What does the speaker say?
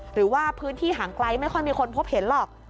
หรือว่าพื้นที่ห่างไกลไม่ค่อยมีคนพบเห็นหรอก